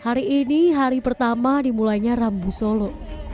hari ini hari pertama dimulainya rambu solo